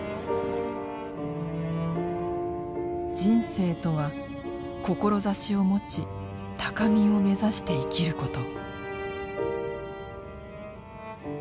「人生」とは志を持ち高みを目指して生きること。